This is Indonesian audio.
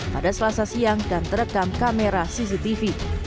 pada selasa siang dan terekam kamera cctv